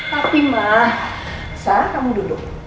tapi ma sam kamu duduk